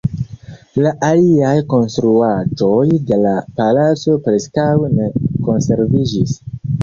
La aliaj konstruaĵoj de la palaco preskaŭ ne konserviĝis.